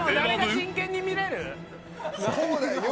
これ真剣に見れる。